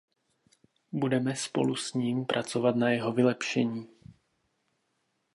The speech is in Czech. Budeme spolu s ním pracovat na jeho vylepšení.